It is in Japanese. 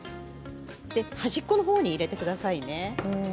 端っこの方に入れてくださいね。